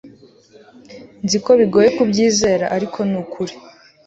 nzi ko bigoye kubyizera, ariko ni ukuri